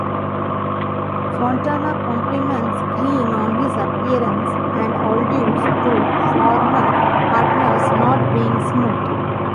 Fontana compliments Green on his appearance, and alludes to former partners not being "smooth".